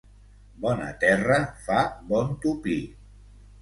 Bona terra fa bon tupí.